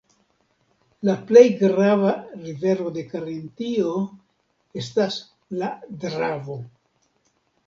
La plej grava rivero de Karintio estas la Dravo.